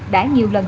đã nhiều lần